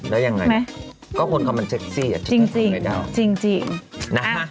แล้วยังไงก็ควรทำมันเซ็กซี่จริงจริง